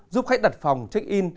giúp khách đặt phòng check in